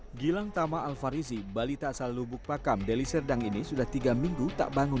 hai gilang tama alfarizi bali tak selalu bukpakam deliserdang ini sudah tiga minggu tak bangun